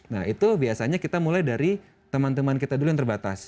nah itu biasanya kita mulai dari teman teman kita dulu yang terbatas